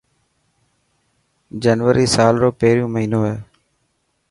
جنوري سلا رو پهريون مهينو هي.